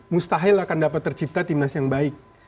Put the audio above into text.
mustahil akan dapat tercipta timnas yang baik